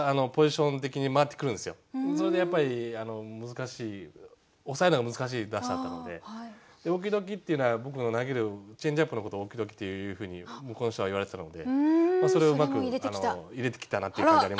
それでやっぱり難しい抑えるのが難しい打者なので「Ｏｋｅｙ‐Ｄｏｋｅｙ」っていうのは僕の投げるチェンジアップのことをオキドキっていうふうに向こうの人は言われてたのでそれをうまく入れてきたなっていう感じありますね。